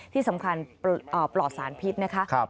ที่สำคัญปลอดสารพิษนะคะ